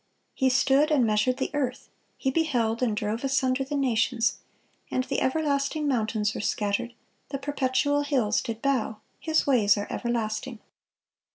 "He stood, and measured the earth: He beheld, and drove asunder the nations; and the everlasting mountains were scattered, the perpetual hills did bow: His ways are everlasting."